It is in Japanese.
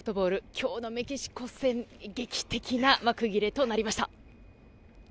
今日のメキシコ戦劇的な幕切れとなりました。